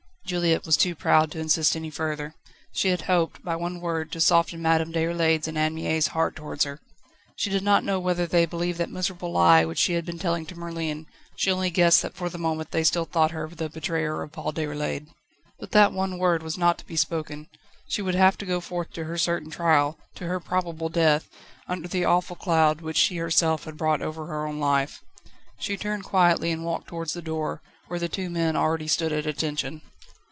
Juliette was too proud to insist any further. She had hoped, by one word, to soften Madame Déroulède's and Anne Mie's heart towards her. She did not know whether they believed that miserable lie which she had been telling to Merlin; she only guessed that for the moment they still thought her the betrayer of Paul Déroulède. But that one word was not to be spoken. She would have to go forth to her certain trial, to her probable death, under the awful cloud, which she herself had brought over her own life. She turned quietly, and walked towards the door, where the two men already stood at attention.